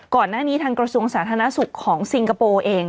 ก่อนหน้านี้ทางกระทรวงสาธารณสุขของซิงคโปร์เอง